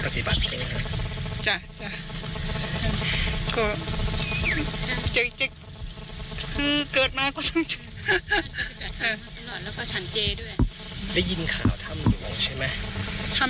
ถามหลวงใช่ไหม